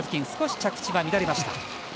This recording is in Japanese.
少し着地は乱れました。